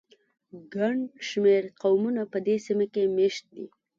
ګڼ شمېر قومونه په دې سیمه کې مېشت دي.